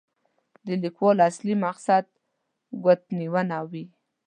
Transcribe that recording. د لیکوال اصلي مقصد ګوتنیونه وي.